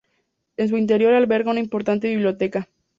En su interior alberga una importante biblioteca.